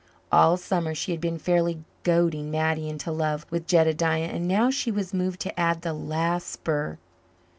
All summer she had been fairly goading Mattie into love with Jedediah and now she was moved to add the last spur.